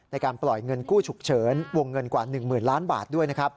ในการปล่อยเงินกู้ฉุกเฉินวงเงินกว่า๑๐๐๐ล้านบาทด้วยนะครับ